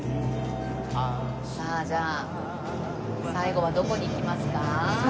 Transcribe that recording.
さあじゃあ最後はどこに行きますか？